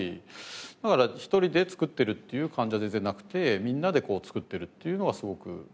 だから１人でつくってるっていう感じは全然なくてみんなでつくってるっていうのはすごく強い。